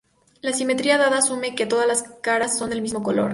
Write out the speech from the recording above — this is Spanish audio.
La simetría dada asume que todas las caras son del mismo color.